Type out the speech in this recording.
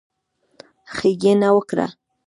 ښېګڼه وکړه،